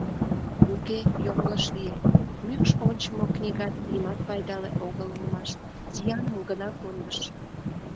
Уке, йоҥылыш лие; мӱкш ончымо книгат нимат пайдале огыл улмаш, зияным гына кондыш.